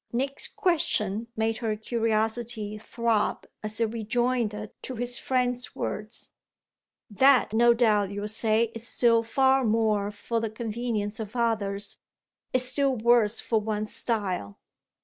Nick's question made her curiosity throb as a rejoinder to his friend's words. "That, no doubt you'll say, is still far more for the convenience of others is still worse for one's style."